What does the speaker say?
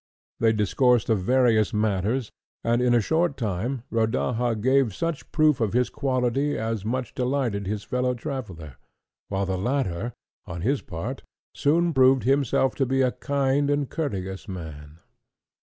They discoursed of various matters, and, in a short time, Rodaja gave such proof of his quality as much delighted his fellow traveller; while the latter, on his part, soon proved himself to be a kind and courteous man.